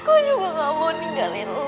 aku juga gak mau ninggalin lo